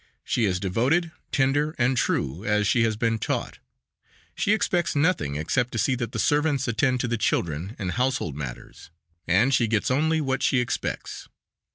She is devoted, tender, and true, as she has been taught. She expects nothing except to see that the servants attend to the children and household matters and she gets only what she expects.